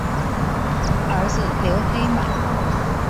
儿子刘黑马。